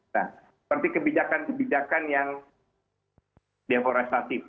nah seperti kebijakan kebijakan yang deforestatif